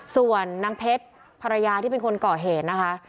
ส่วนนางเพชรภรรยาที่เป็นคนก่อเหตุนะคะ